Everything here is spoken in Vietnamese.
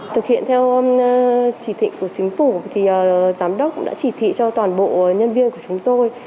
thực hiện theo chỉ thị của chính phủ thì giám đốc đã chỉ thị cho toàn bộ nhân viên của chúng tôi